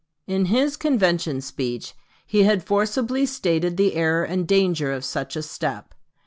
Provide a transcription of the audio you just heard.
In his convention speech he had forcibly stated the error and danger of such a step.